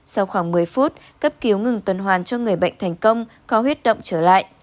sau khoảng một mươi phút cấp cứu ngừng tuần hoàn cho người bệnh thành công có huyết động trở lại